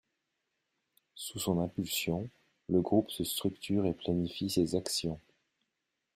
Sous son impulsion, le groupe se structure et planifie ses actions.